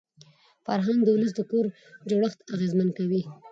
فرهنګ د ولس د کور جوړښت اغېزمن کوي.